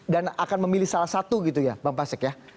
dan akan memilih salah satu gitu ya bang pasek ya